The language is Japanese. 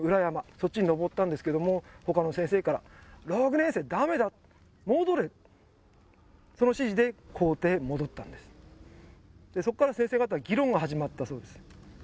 そっちに登ったんですけども他の先生から「６年生ダメだ戻れ」その指示で校庭へ戻ったんですそっから先生方議論が始まったそうです